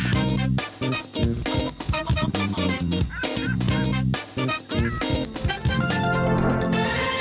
โปรดติดตามันทุกวันสวัสดีครับ